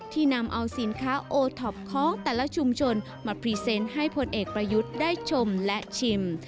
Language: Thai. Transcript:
นำเอาสินค้าโอท็อปของแต่ละชุมชนมาพรีเซนต์ให้พลเอกประยุทธ์ได้ชมและชิม